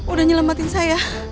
udah nyelamatin saya